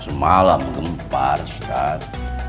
semalam gempar setan